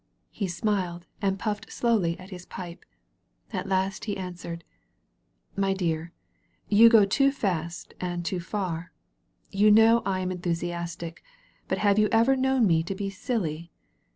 He smiled and puffed slowly at his pipe. At last he answered. ^'My dear, you go too fast and too far. You know I am enthusiastic, but have you ever known me to be silly?